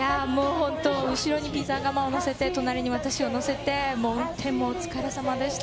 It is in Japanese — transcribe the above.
ホント、後ろにピザ釜を乗せて隣に私を乗せて運転もお疲れさまでした。